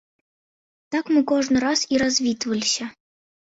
Так мы кожны раз і развітваліся.